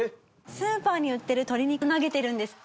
スーパーに売ってる鶏肉投げてるんです。